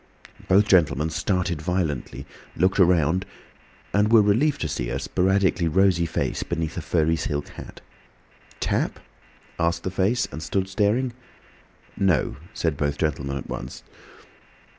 Both gentlemen started violently, looked round, and were relieved to see a sporadically rosy face beneath a furry silk hat. "Tap?" asked the face, and stood staring. "No," said both gentlemen at once.